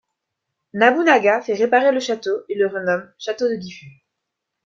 Nobunaga fait réparer le château et le renomme château de Gifu.